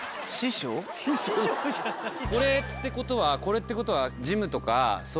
これってことはこれってことは。